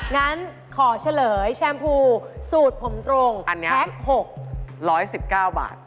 งั้นขอเฉลยแชมพูสูตรผมตรงแพ็ค๖